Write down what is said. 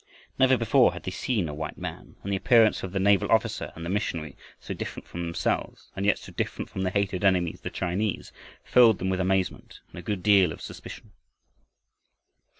Never before had they seen a white man, and the appearance of the naval officer and the missionary, so different from themselves, and yet so different from their hated enemies, the Chinese, filled them with amazement and a good deal of suspicion.